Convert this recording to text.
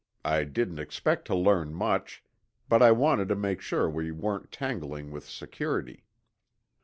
I didn't expect to learn much, but I wanted to make sure we weren't tangling with security.